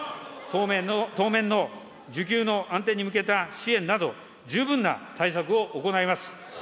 当面の需給の安定に向けた支援など、十分な対策を行います。